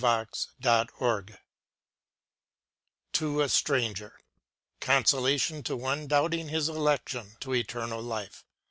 CLXVI To A Stranger Consolation to one doubting his election to eternal life.